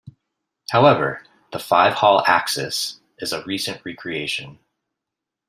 However, the five-hall axis is a recent recreation.